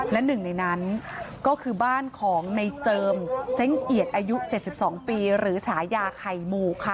และหนึ่งในนั้นก็คือบ้านของในเจิมเซ้งเอียดอายุ๗๒ปีหรือฉายาไข่หมู่ค่ะ